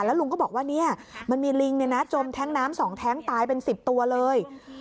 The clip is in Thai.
ลุงก็บอกว่ามันมีลิงจมแท้งน้ำ๒แท้งตายเป็น๑๐ตัวเลย